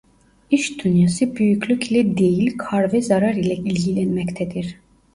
İş dünyası büyüklük ile değil kar ve zarar ile ilgilenmektedir.